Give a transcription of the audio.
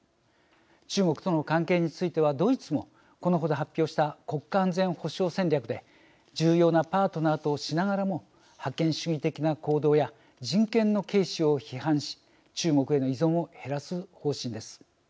中国との関係についてはドイツもこのほど発表した国家安全保障戦略で重要なパートナーとしながらも覇権主義的な行動や人権の軽視を批判し中国への依存を減らす方針です。